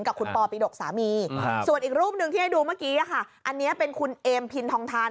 กับคุณปอปิดกสามีส่วนอีกรูปหนึ่งที่ให้ดูเมื่อกี้ค่ะอันนี้เป็นคุณเอมพินทองทาน